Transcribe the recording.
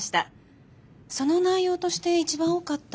その内容として一番多かったのがえ。